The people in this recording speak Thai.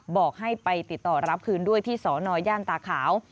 บอกให้ไปติดต่อรับคืนด้วยที่สนย่านตาขาว